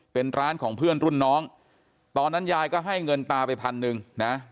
เป็นร้านของเพื่อนรุ่นน้องตอนนั้นยายก็ให้เงินตาไปพันหนึ่งนะ